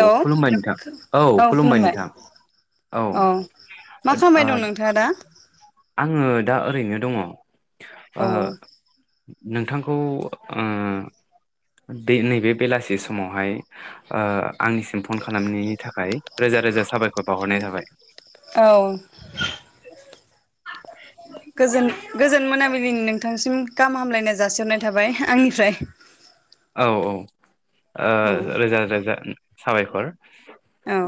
Hello खुलुमबाय नोंथां औ खुलुमबाय नोंथां औ मा खालामबाय दं नोंथाङा दा आङो दा ओरैनो दङ ओ अ नोंथांखौ नैबे बेलासि समावहाय आंनिसिम फन खालामनायनि थाखाय रोजा रोजा साबायखर बाउहरनाय थाबाय [inaudible] औ गोजोन गोजोन मोनाबिलि नोंथांनिसिम गाहाम हामलायनाय जासिहरनाय थाबाय आंनिफ्राय औ औ ओ औ रोजा रोजा साबायखर औ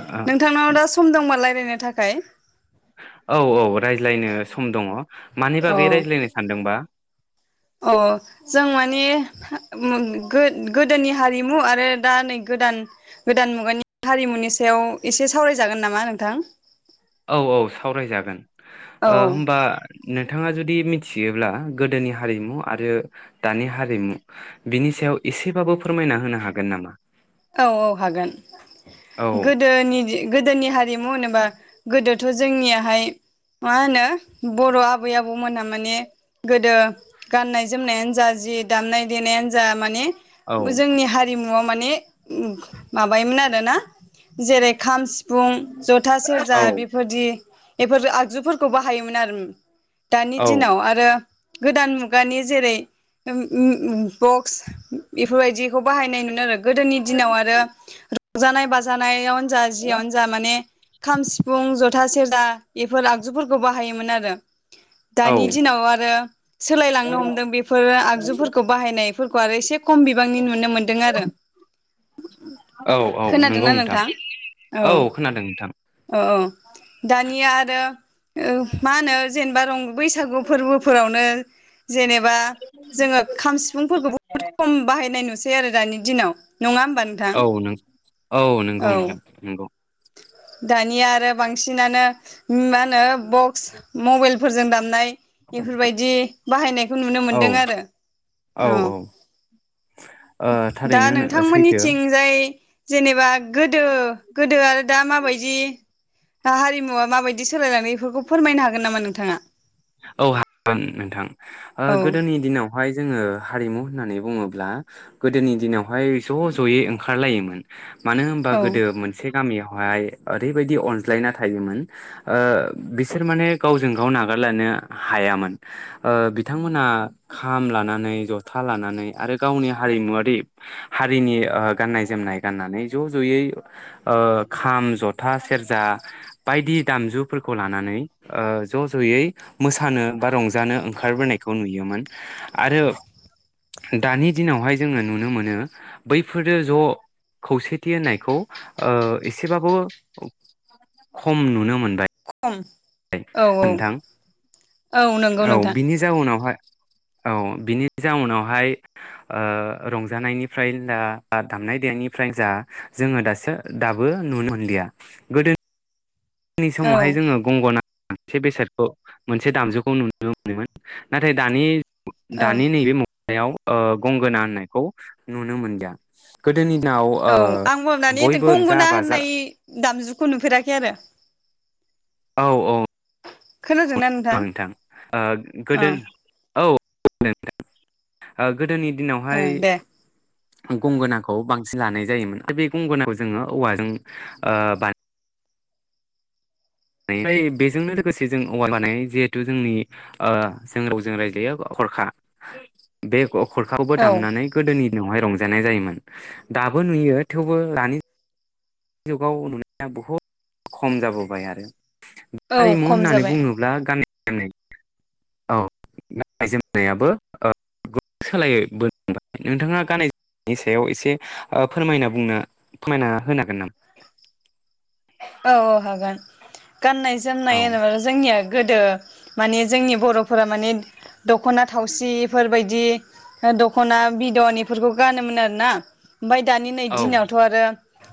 ओ नोंथांनाव दा सम दंबालाय रायलायनो थाखाय औ औ रायज्लायनो सम दङ मानि अ बागै रायज्लायनो सानदोंबा अ जों माने गोदोनि हारिमु आरो दा नै गोदान गोदान मुगानि हारिमुनि सायाव एसे सावरायजागोन नामा नोंथां औ औ सावरायजागोन औ ओ होमबा नों थाङा जुदि मिथियोब्ला गोदोनि हारिमु आरो दानि हारिमु बिनि सायाव एसेबाबो फोरमायना होनो हागोन नामा औ औ हागोन औ गोदोनि गोदोनि हा रिमु होनोबा गोदो थ' जोंनियाहाय मा होनो बर' आबै आबौमोनहा माने गोदो गाननाय जोमनायानो जा जि दामनाय देनायानो जा माने औ जोंनि हारिमु न'आव माने माबायोमोन आरो ना जेरै खाम सि सिफुं जथा सेरजा औ बेफोरबादि बेफोर आगजुफोर खौ बाहायोमोन आरो दानि औ दिनाव आरो गोदान मुगानि जेरै उम उम उम बक्स बेफोरबायदिखौ बाहायनायमोन आरो गोदोनि दिनाव आरो रंजानाय बाजानायाव जा जियानो जा माने खाम सिफुं जथा सेर जा बेफोर आगजुफोरखौ बाहायोमोन आरो औ दानि दिनाव आरो सोलायलांनो हमदों बेफोरो आगजुफोरखौ बाहायनाय खौ आरो एसे खम बिबांनि नुनो मोनदों आरो औ औ नंगौ नोंथां औ खोनादों नोंथां अ दानिया आरो ओ मा होनो जेने बा रं बैसागु फोरबोफोरावनो जेनेबा जोङो खाम सिफुंफोरखौ बहुद खम बाहायनाय नु सै आरो दानि दिनाव नङा होमबा नोंथां औ न औ नोंगौ औ नोंथां नोंगौ दानिया आरो बांसिनानो मा होनो बक्स मबाइलफोरजों दामनाय बेफोरबायाददि बाहायनायखौ नुनो औ मोनदों आरो औ अ औ ओ दा थारैनो सैथो नोंथांमोननिथिंजाय जेनेबा गोदो गोदो आरो दा माबायदि हारिमुवा माबायदि सोलायलांदों बेफोरखौ फोरमायनो हागोन नामा नोंथाङा औ हागोन नोंथां ओ औ गोदोनि दिनाव बेावहाय जोङो हारिमु होननानै बुङोब्ला गोदोनि दिनावहाय ज' ज'यै ओंखारलायोमोन मानो होनबा औ गोदो मोनसे गामियावहाय ओरैबायदि अनज्लायना थायोमोन ओ बिसोर माने गावजों गाव नागारलानो हायामोन ओ‌ बिथांमोना खाम लानानै जथा लानानै आरो गावनि हारिमुवारि हारिनि गाननाय जोमनाय गाननानै ज' ज'यै खाम ज'था सेरजा बायदि दामजुफोरखौ लानानै ओ ज' ज'यै मोसानो बा रंजानो ओंखारबोनायखौ नुयोमोन आरो दानि दिनावहाय जोङो नुनो मोनो बैफोरो ज' खौसेथि होननायखौ ओ एसेबाबो खम नुनो मोनो औ औ नोंथां औ नंगौ औ नोंथां बिनि जाउनावहाय औ बिनि जाउनावहाय ओ रंजानायनिफ्रायनो जा बा दामनाय देनायनिफ्रायनो जा जोङो दासो दाबो नुनो मोनदिया गोदो नि औ समावहाय जोङो गंगना मोनसे बेसादखौ मोनसे दामजुखौ नुनो मोनोमोन नाथाय दानि औ दानि नैबे मुगायाव गंगोना होननायखौ नुनो मोनलिया गोदोनि दिनाव ओ औ आं मावनानै बयबो रंजा गंगोना बाजा होननाय दामजुखौ नुफेराखै आरो औ औ औ नोंथां औ गोदो औ गोदोनि ओ दिनावहाय दे गंगोनाखौ बांसिन लानाय जायोमोन आरो बे गंगोनाखौ जोङो औवाजों बानायनाय ओफ्राय बेजोंनो लोगोसे जों औवा लानाय जिहेथु जोंनि जों रावजों रायज्लायो हरखा बे खरखाबो औ दामनानै गोदोनि दिनावहाय रंजायो जानाय जायोमोन दाबो नुयो थेवबो दानि जुगाव नुनाया बुहुत खम जाबोबाय आरो औ हारिमु खम होननानै जाबाय बुङोब्ला गाननाय [inaudible] औ गाननाय जोमनायाबो सोलायबोनो हमबाय नोंथाङा गाननाय जोमनायनि सायाव एसे फोरमायना बुंनो फोरमायना होनो हागोन नामा औ औ हागोन गाननाय नामा औ जोमनाय होनोबा जोंनिया गोदो माने जोंनि बर'फोरा माने दख'ना थावसि बेफोरबायदि दख'ना बिदन बेफोरखौ गानोमोन आरोना ओमफ्राय दानि नै औ दिनावथ' आरो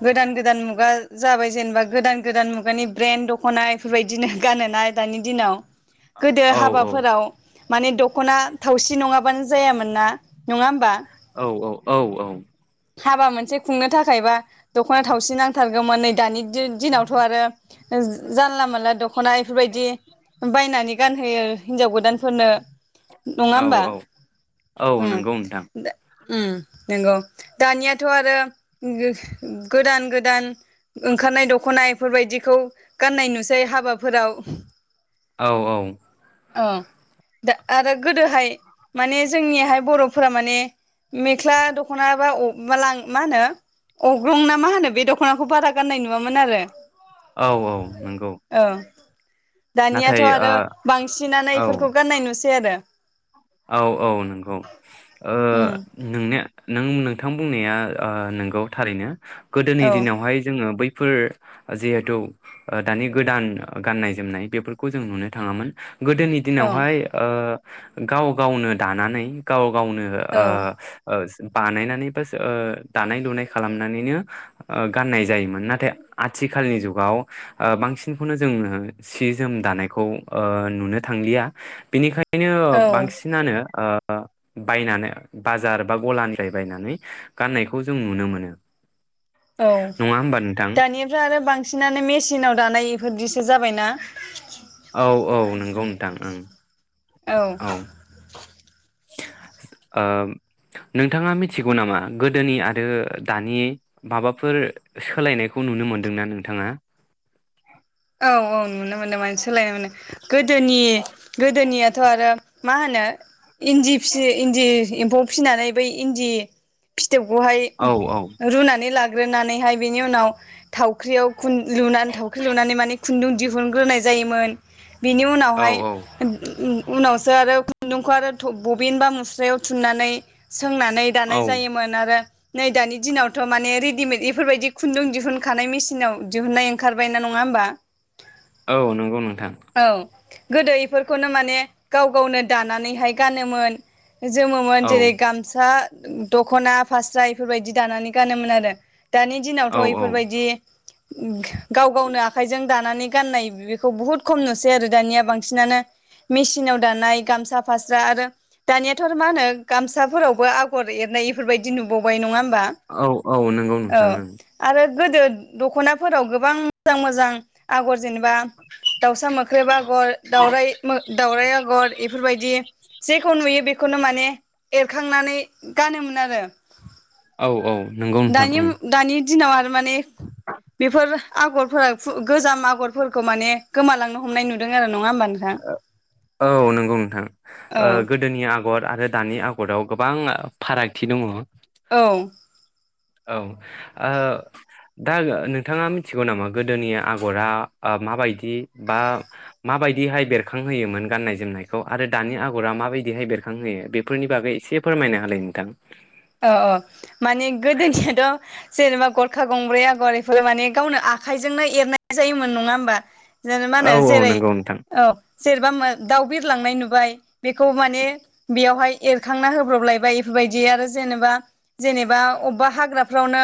गोदान गोदान मुगा जाबाय जेनेबा गोदान गोदान मुगानि ब्रेन्द दखना इफोरबायदि बिदिनो गानोना दानि दिनाव गोदो औ हाबाफोराव माने दखना थावसि नङाबानो जायामोन ना नङा होमबा? औ औ औ औ हाबा मोनसे खुंनो थाखायबा दखना थावसि नांथारगौमोन नै दानि दिनावथ आरो जानला मोनला दखना बेफोरबायदि बायनानै गानहोयो। हिनजाव गोदानफोरनो नङा होमबा? औ औ औ नंगौ नोंथां उम नंगौ। दानियाथ आरो गोदान गोदान ओंखारनाय दखना इफोरबायदिखौ गाननाय नुसै हाबाफोराव। औ औ औ दा आरो गोदोहाय माने जोंनियाहाय बर'फोरा माने मेख्ला दखना दखना बा मा होनो अग्रं ना मा होनो बे दखनाखौ बारा गाननाय नुवामोन आरो। औ औ नंगौ। औ दानियाथ नाथाय आरो बांसिनानो ओ इफोरखौ गाननाय नुसै आरो। [inaudible] औ औ नंगौ ओ उम नोंनिया नों नोंथां बुंनाया नोंगौ थारैनो गोदोनि औ दिनावहाय जोङो बै फोर जिहेथु दानि गोदान गाननाय जोमनाय बेफोरखौ जों नुनो थाङामोन। गोदोनि औ दिनावहाय ओ गाव गावनो दानानै गाव गावनो औ ओ ओ बानायनानै ओ बा दानाय लुनाय खालामनानैनो गाननाय जायोमोन। नाथाय आथिखालनि जुगाव ओ बांसिनखौनो जों सि जोम दानायखौ ओ नुनो थांलिया बिनिखाय नो औ बांसिनानो ओ ओ बायनानै बाजार बा गलानिफ्राय बायनानै गाननायखौ जों नुनो मोनो। औ नङा होमबा नोंथां दानिफ्राय आरो बांसिनानो मेसिनाव दानाय। फोरदिसो जाबायना औ औ नंगौ नोंथां ओं। औ ओ नोंथाङा मिथिगौ नामा गोदोनि आरो दानि माबाफोर सोलायनायखौ नुनो मोनदोंना नोंथाङा? औ औ नुनो मोनदों माने सोलायनो मोनदों। गोदोनि गोदोनियाथ आरो मा होनो इन्दि फि इन्दि एम्फौ फिसिनानै बै इन्दि फि थोबखौहाय औ औ रुनानै ला ग्रोनानैहाय बेनि उनाव थावख्रियाव खुन लुनानै थावख्रि लुनानै माने खुन्दुं दिहुनग्रोनाय जायोमोन बेनि औ उनावहाय औ [unintelligible] उनाव सो आरो खुन्दुंखौ आरो थब बबिन बा मुस्रायाव थुननानै सोंनानै दानाय औ जायोमोन आरो नै दानि दिनावथ' माने रेडिमेड इफोरबायदि खुन्दुं दिहुनखानाय मेसिनाव दिहुननाय ओंखारबाय नङा होमबा औ नंगौ नोंथां औ गोदो इफोरखौनो माने गाव गावनो दानानैहाय गानोमोन जोमोमोन औ जेरै गामसा दख'ना फास्रा एफोरबायदि दानानै गानोमोन आरो दानि दिनावथ' औ औ इफोरबायदि ओ गाव गावनो आखाय जों दानानै गाननाय बेखौ बुहुत खम नुसै आरो दानिया बांसिनानो मेसिनाव दानाय गामसा फास्रा आरो दानियाथ' आरो मा होनो गामसाफोरावबो आ आगर एरनाय ब एफोरबायदि नुबावो [unintelligible] नङा होमबा औ औ नंगौ औ नोंथां आरो गोदो दख'नाफोराव गोबां मोजां मोजां आगर जेनेबा दाउसा मोख्रेब आगर दावराइ मो दावराइ बेफोरबायदि जेखौ नुयो बे बेखौनो माने एरखांनानै गानोमोन आरो औ ओं औ नंगौ नोंथां दानि ओं मु दानि दिनाव आरो माने बेफोर आगरफोरा फु गोजाम आगरफोरखौ माने गोमालांनो हमनाय नुदों आरो नङा होमबा नोंथां औ नंगौ नोंथां औ ओ गोदोनि आ आगर आरो दानि आगराव गोबां फारागथि दङ औ औ ओ दा नोंथाङा मिथिगौ नामा गोदोनि आगरा ओ माबायदि बा माबाय दिहाय बेरखांहोयोमोन गाननाय जोमनायखौ आरो दानि आगरा माबायदिहाय बेरखांहोयो बेफोरनि बागै एसे फोरमायना होलाय नोंथां औ औ माने गोदोनियाथ' जेनेबा गरखा गंब्रै आग'र बेफोर माने गावनो आखाइजोंनो एरनाय जायोमोन नङा होमबा जेनेबा मा औ होनो औ जेरै नंगौ नोंथां औ जेनेबा दाउ बिरलांनाय नुबाय बेखौ माने बेयावहाय एरखांना होब्रबलायबाय बेफोर बायदि आरो जेनेबा जेनेबा अबबा हाग्रा फ्रावनो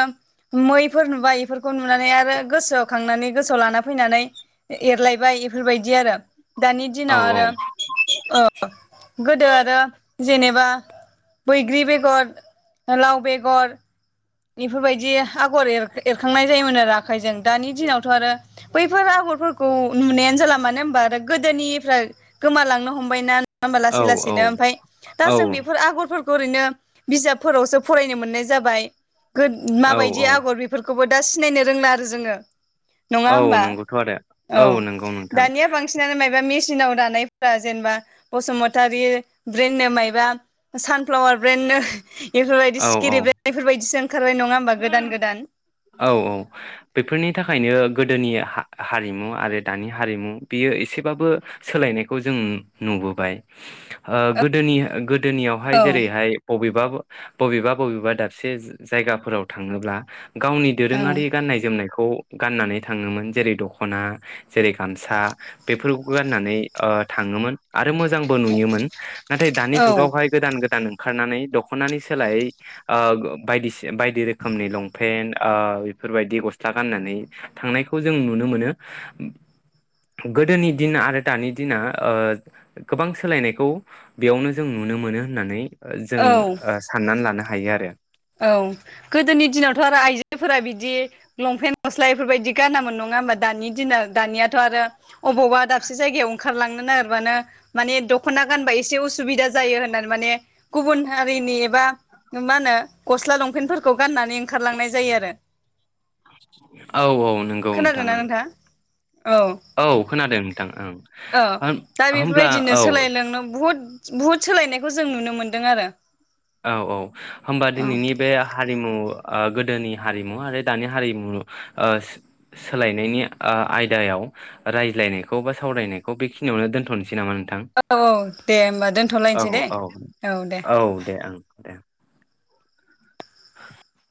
मैफोर नुबाय बेफोरखौ नुनानै आरो गोसोआव खांनानै गोसोआव लाना फैनानै एरलायबाय इफोरबायदि आरो दानि औ दिनाव औ आरो ओ गोदो आरो जेनेबा बैग्रि बेगर लाव बेगर बेफोरबायदि आगर एरखांनाय जायोमोन आरो आखाइजों दानि दिनावथ' आरो बैफोर आगरफोरखौ नुनायानो जाला मानो होनबा आरो गोदोनिफ्राय गोमालांनो हमबाय ना नङा होमबा औ लासै औ लासैनो ओमफ्राय दा औ जों बेफोर आगरफोर खौ ओरैनो बिजाबफोरावसो फरायनो मोननाय जाबाय औ माबायदि औ आगर बेफोर खौबो दा सिनायनो रोंला आरो जोङो नङा औ होमबा नंगौथ' औ आरो नंगौ नोंथां दानिया बांसिनानो मायबा मि सिनाव दानायफोरा जेनेबा बसुमतारी ब्रेन्डनो मायबा सानफ्लावार ब्रेन्डनो बेफोरबायदि औ औ सिकिरि ब्रेण्ड बेफोरबाय [unintelligible] ओंखारबाय नङा होमबा गोदान गोदान औ औ बेफोरनि थाखायनो गोदोनि हारिमु आरो दानि हारिमु बियो एसेबाबो सोलायनायखौ जों नुबोबाय ओ गोदोनि गो दोनियावहाय औ जेरैहाय बबे बा बबेबा बबेबा दाबसे जायगाफोराव थाङोब्ला गावनि दोरोङारि गाननाय जोमनाय खौ गाननानै थाङोमोन जेरै दखना जेरै गामसा बेफोरखौ गाननानै ओ थाङोमोन आरो मोजांबो नुयोमोन नाथाय दानि औ जुगावहाय गोदान गोदान ओंखारनानै दख'नानि सोलायै ओ बायदि बायदि रोखोमनि लं पेन ओ बेफोरबायदि गस्ला गाननानै थांनायखौ जों नुनो मोनो गोदोनि दिन आरो दानि दिना ओ गोबां सोलायनायखौ बेयावनो जों नुनो मोनो होननानै जों औ ओ साननानै लानो हायो आरो फोरा बिदि लंपेन्ट गस्ला इफोरबायदि गानामोन नङा होमबा दानि दिनाव दानियाथ' आरो अबावबा दाबसे जायगायाव ओंखारलांनो नागिरबानो माने दख'ना गानबा एसे उसुबिदा जायो होननानै माने गुबुन हारिनि एबा मा होनो गस्ला लंपेन्टफोरखौ गाननानै ओंखारलांनाय जायो आरो औ औ नंगौ नोंथां खोनादोंना नोंथाङा औ औ खोनादों नोंथां औ ओं दा होमब्ला बेफोरबायदिनो औ सोलायलांनो बुहुद बुहुद सोलायनायखौ जों नुनो मोनदों आरो औ औ होमबा औ दिनैनि बे हारिमु गोदोनि हारिमु आरो दानि हारिमु सोलायनायनि आयदायाव रायज्लायनायखौ बा सावरायनायखौ बेखिनियावनो दोनथ'नोसै नामा नोंथां औ औ दे होमबा औ दोनथ'लायनोसै दे औ औ दे दे ओं दे